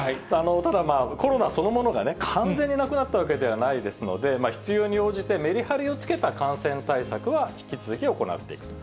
ただ、コロナそのものが完全になくなったわけではないですので、必要に応じて、メリハリをつけた感染対策は引き続き行っていくと。